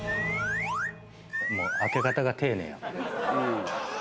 もう開け方が丁寧やもん。